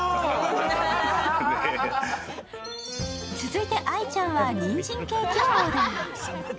続いて愛ちゃんはニンジンケーキをオーダー。